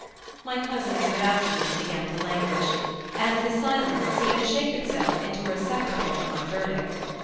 My cousin's vivacities began to languish and the silence seemed to shape itself into a receptacle for my verdict.